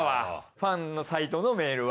ファンのサイトのメールは。